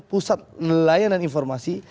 pusat layanan informasi